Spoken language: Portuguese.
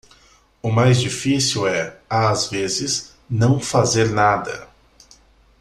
O mais difícil é, às vezes, não fazer nada.